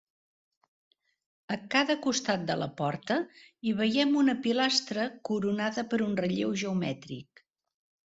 A cada costat de la porta, hi veiem una pilastra coronada per un relleu geomètric.